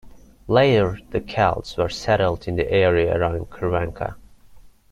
Later the Celts were settled in the area around Crvenka.